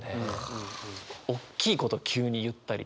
大きいこと急に言ったりとか。